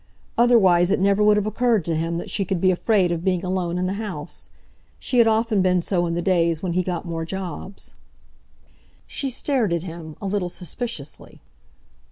Otherwise it never would have occurred to him that she could be afraid of being alone in the house. She had often been so in the days when he got more jobs. She stared at him, a little suspiciously.